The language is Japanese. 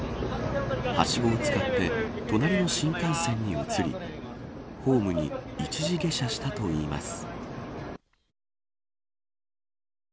はしごを使って隣の新幹線に移りホームに一時下車したといいます。